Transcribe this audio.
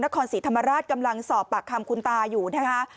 นครศรีธรรมราชกำลังสอบปากคำคุณตาอยู่นะคะ